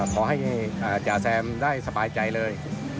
ขอให้จ่าแซมได้สบายใจเลย